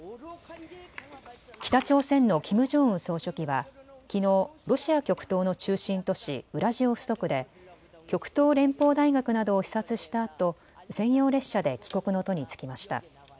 北朝鮮のキム・ジョンウン総書記はきのう、ロシア極東の中心都市ウラジオストクで極東連邦大学などを視察したあと専用列車で帰国の途に就きました。